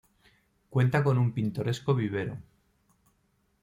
Cuenta con un pintoresco vivero.